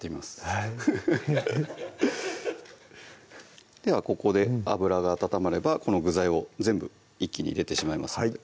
はいではここで油が温まればこの具材を全部一気に入れてしまいます